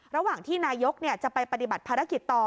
ระหว่างที่นายกจะไปปฏิบัติภารกิจต่อ